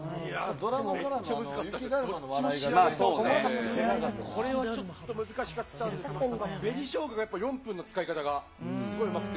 どっちも仕上がり倒してたんで、これはちょっと難しかったんですけど、紅しょうががやっぱり４分の使い方が、すごいうまくて。